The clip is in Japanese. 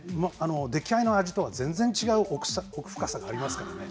出来合いの味とは全然違う奥深さがありますからね。